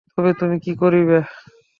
তবে তুমি কী করিবে?